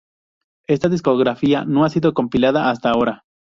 Esta discografía no ha sido compilada hasta ahora.